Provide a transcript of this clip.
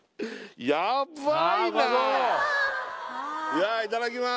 いやいただきます